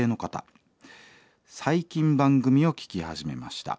「最近番組を聴き始めました。